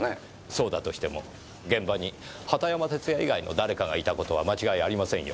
そうだとしても現場に畑山哲弥以外の誰かがいた事は間違いありませんよ。